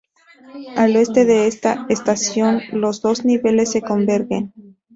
Al oeste de esta estación, los dos niveles se convergen.